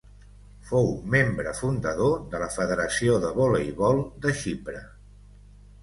Fou membre fundador de la Federació de Voleibol de Xipre.